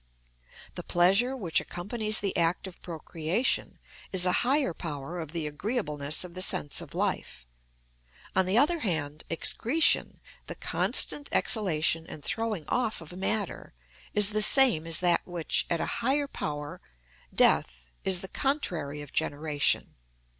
The pleasure which accompanies the act of procreation is a higher power of the agreeableness of the sense of life. On the other hand, excretion, the constant exhalation and throwing off of matter, is the same as that which, at a higher power, death, is the contrary of generation.